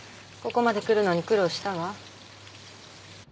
ここまで来るのに苦労したわ。